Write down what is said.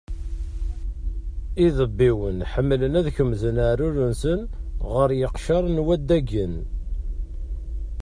Idebbiwen ḥemmlen ad kemzen aεrur-nsen ɣer yiqcer n waddagen.